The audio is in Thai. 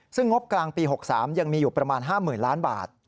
ซึ่งงบกลางปี๖๓ยังมีอยู่ประมาณ๕๐๐๐ล้านบาท